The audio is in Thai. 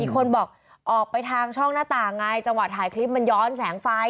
คนบอกออกไปทางช่องหน้าต่างไงจังหวะถ่ายคลิปมันย้อนแสงไฟ